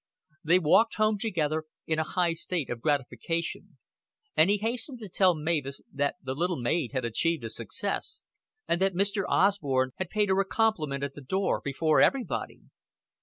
They walked home together in a high state of gratification; and he hastened to tell Mavis that the little maid had achieved a success, and that Mr. Osborn had paid her a compliment at the door before everybody.